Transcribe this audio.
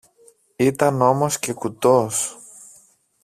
Ήταν όμως και κουτός!